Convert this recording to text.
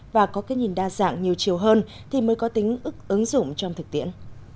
và có cái nhìn đa dạng nhiều chiều hơn thì mới có tính ức ứng dụng trong thực tiễn